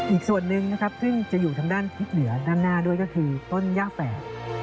อีกส่วนหนึ่งนะครับซึ่งจะอยู่ทางด้านทิศเหนือด้านหน้าด้วยก็คือต้นย่าแฝด